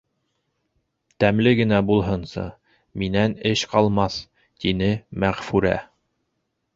— Тәмле генә булһынсы, минән эш ҡалмаҫ, — тине Мәғфүрә.